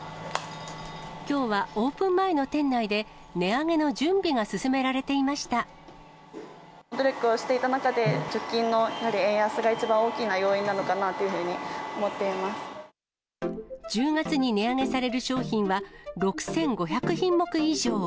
きょうはオープン前の店内で、値上げの準備が進められていまし努力をしていた中で、直近のやはり円安が、一番大きな要因なのかなというふうに思って１０月に値上げされる商品は６５００品目以上。